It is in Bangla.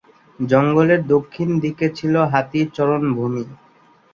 জঙ্গলের দক্ষিণ দিকে ছিল হাতির চারণভূমি।